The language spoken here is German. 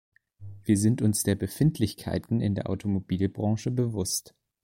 Wir sind uns der Befindlichkeiten in der Automobilbranche bewusst.